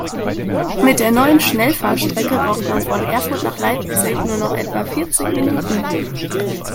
Mit der neuen Schnellfahrstrecke braucht man von Erfurt nach Leipzig nur noch etwa vierzig Minuten